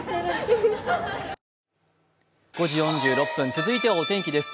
続いてはお天気です。